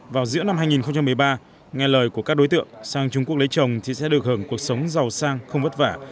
vào giữa năm hai nghìn một mươi ba nghe lời của các đối tượng sang trung quốc lấy chồng thì sẽ được hưởng cuộc sống giàu sang không vất vả